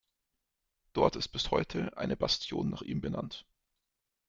Dort ist bis heute eine Bastion nach ihm benannt.